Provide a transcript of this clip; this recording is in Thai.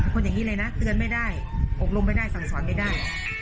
คนอย่างนี้เลยนะเตือนไม่ได้อบรมไม่ได้สั่งสอนไม่ได้